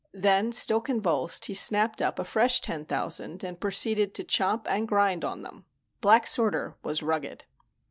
Then, still convulsed, he snapped up a fresh ten thousand and proceeded to chomp and grind on them. Black Sorter was rugged.